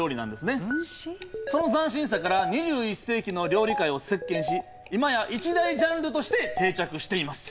その斬新さから２１世紀の料理界を席巻し今や一大ジャンルとして定着しています。